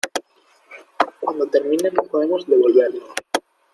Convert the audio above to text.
cuando terminen podemos devolvernos.